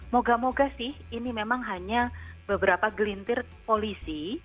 moga moga sih ini memang hanya beberapa gelintir polisi